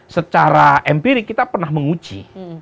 secara empirik kita pernah menguji